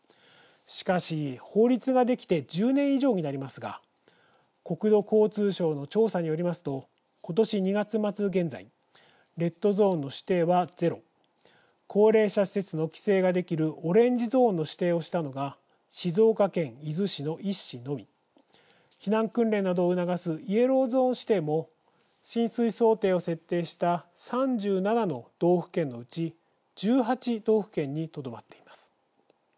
しかし、法律ができて１０年以上になりますが国土交通省の調査によりますとことし２月末現在レッドゾーンの指定はゼロ高齢者施設の規制ができるオレンジゾーンの指定をしたのが静岡県伊豆市の１市のみ避難訓練などを促すイエローゾーン指定も浸水想定を設定した３７の道府県のうち１８道府県にとどまっています。